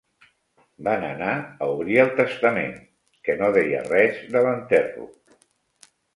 Van anar a obrir el testament, que no deia res de l'enterro.